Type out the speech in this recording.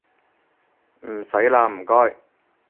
唔使喇唔該